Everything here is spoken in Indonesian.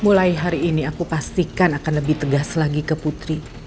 mulai hari ini aku pastikan akan lebih tegas lagi ke putri